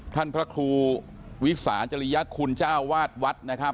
ท่านพระครูวิษาจริยะคุณเจ้าวาทวัด